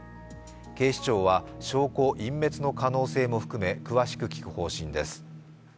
警視庁は証拠隠滅の可能性も含め詳しく聞く方針です。